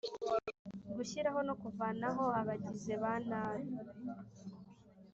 gushyiraho no kuvanaho abagize ba nabi